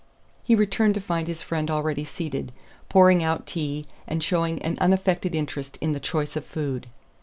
He returned to find his friend already seated, pouring out tea, and showing an unaffected interest in the choice of food.